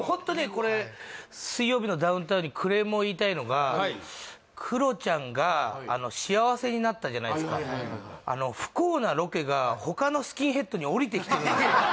これ「水曜日のダウンタウン」にクレームを言いたいのがクロちゃんが幸せになったじゃないですかおりてきてるんですよ